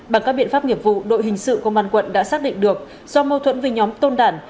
bằng các biện pháp nghiệp vụ đội hình sự công an quận đã xác định được do mâu thuẫn với nhóm tôn đản